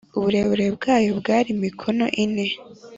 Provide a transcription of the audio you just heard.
uburebure bwayo bwari mikono ine